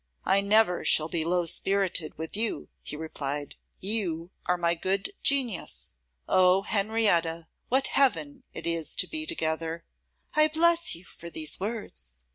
'I never shall be low spirited with you,' he replied; 'you are my good genius. O Henrietta! what heaven it is to be together!' 'I bless you for these words.